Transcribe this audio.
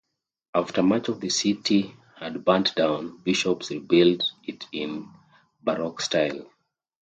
After much of the city had burned down, bishops rebuilt it in Baroque style.